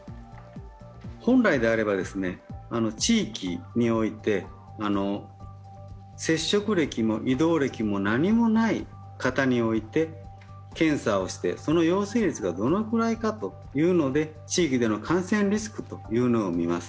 本来であれば、地域において、接触歴も移動歴も何もない方において検査をして、その陽性率がどのくらいかというので、地域での感染リスクを見ます